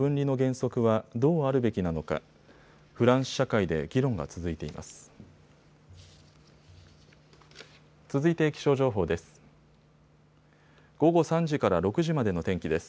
続いて気象情報です。